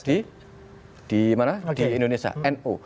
formas di indonesia nu